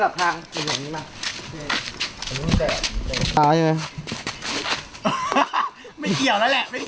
ตับทางไหมตับทาง